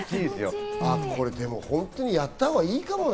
これ本当にやったほうがいいかもね。